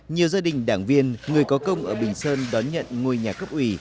nhiều gia đình đảng viên người có công ở bình sơn đón nhận ngôi nhà cấp ủy